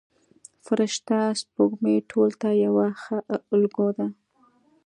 فرشته سپوږمۍ ټولو ته یوه ښه الګو ده.